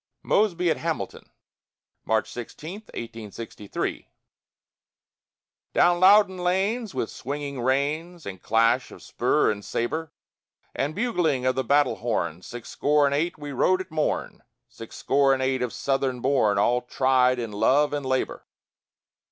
MOSBY AT HAMILTON [March 16, 1863] Down Loudon Lanes, with swinging reins And clash of spur and sabre, And bugling of the battle horn, Six score and eight we rode at morn, Six score and eight of Southern born, All tried in love and labor.